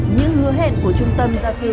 những hứa hẹn của trung tâm gia sư